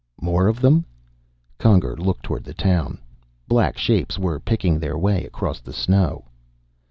"More of them?" Conger looked toward the town. Black shapes were picking their way across the snow.